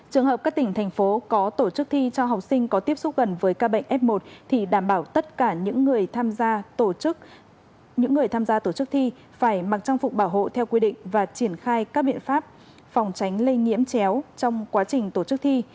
trường hợp các tỉnh thành phố có tổ chức thi cho học sinh có tiếp xúc gần với ca bệnh f một thì đảm bảo tất cả những người tham gia tổ chức những người tham gia tổ chức thi phải mặc trang phục bảo hộ theo quy định và triển khai các biện pháp phòng tránh lây nhiễm chéo trong quá trình tổ chức thi